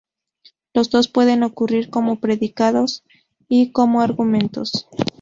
Los dos pueden ocurrir como predicados y como argumentos.